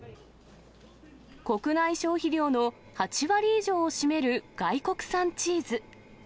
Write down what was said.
国内消費量の８割以上を占める外国産チーズ。